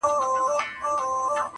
انسان بايد ځان وپېژني تل,